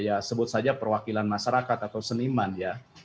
ya sebut saja perwakilan masyarakat atau seniman ya